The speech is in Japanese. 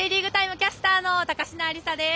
キャスターの高階亜理沙です。